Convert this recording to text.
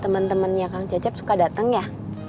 temen temennya kang cecep suka dateng ya